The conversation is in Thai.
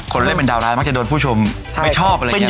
เล่นเป็นดาวร้ายมักจะโดนผู้ชมไม่ชอบอะไรอย่างนี้